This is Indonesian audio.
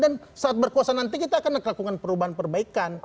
dan saat berkuasa nanti kita akan melakukan perubahan perbaikan